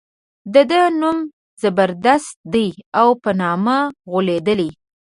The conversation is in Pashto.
د ده نوم زبردست دی او په نامه غولېدلی.